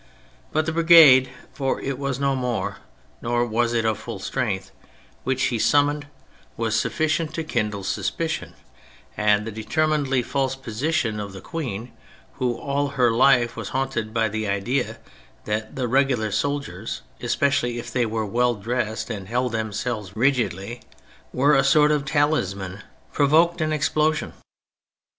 But the brigade (for it was no more, nor was it of full strength) which he summoned was sufficient to kindle suspicion; and the deter minedly false position of the Queen (who all her life was haunted by the idea that the regular soldiers, especially if they were well dressed and held themselves rigidly, were a sort of talisman) provoked an explosion.